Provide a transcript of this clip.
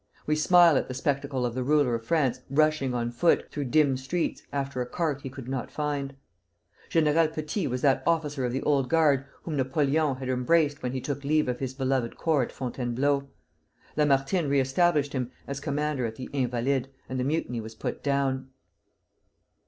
We smile at the spectacle of the ruler of France rushing on foot, through dim streets, after a cart he could not find. General Petit was that officer of the Old Guard whom Napoleon had embraced when he took leave of his beloved corps at Fontainebleau. Lamartine re established him as commander at the Invalides, and the mutiny was put down.